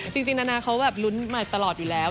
จริงนานาเขาแบบลุ้นมาตลอดอยู่แล้ว